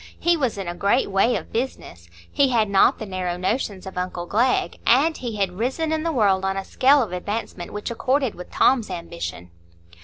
He was in a great way of business; he had not the narrow notions of uncle Glegg; and he had risen in the world on a scale of advancement which accorded with Tom's ambition.